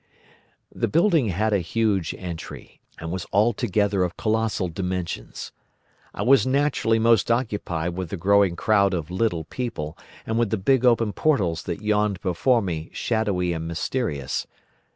"The building had a huge entry, and was altogether of colossal dimensions. I was naturally most occupied with the growing crowd of little people, and with the big open portals that yawned before me shadowy and mysterious.